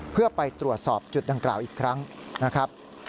เพื่อไปตรวจสอบจุดดังกล่าวอีกครั้งนะครับ